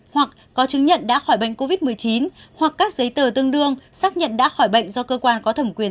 hoặc có chứng nhận đã khỏi bệnh covid một mươi chín hoặc các giấy tờ tương đương xác nhận đã khỏi bệnh do cơ quan có thẩm quyền